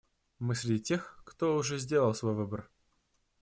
Мы среди тех, кто уже сделал свой выбор.